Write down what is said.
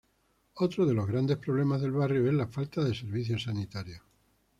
Otro de los grandes problemas del barrio es la falta de servicios sanitarios.